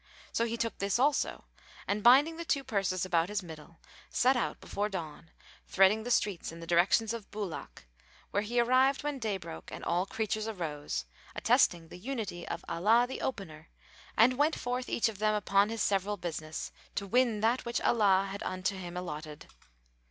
So he took this also and binding the two purses about his middle,[FN#441] set out before dawn threading the streets in the direction of Búlák, where he arrived when day broke and all creatures arose, attesting the unity of Allah the Opener and went forth each of them upon his several business, to win that which Allah had unto him allotted.